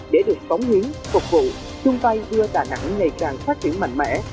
để được phóng huyến phục vụ chung tay đưa đà nẵng ngày càng phát triển mạnh mẽ